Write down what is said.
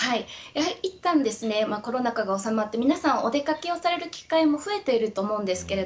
コロナ禍がおさまって皆さんお出掛けをされる機会も増えていると思います。